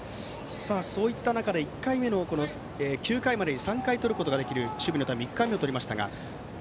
そういった中で９回までに３回とることができる守備のタイム１回目をとりました。